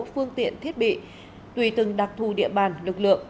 phương tiện thiết bị tùy từng đặc thù địa bàn lực lượng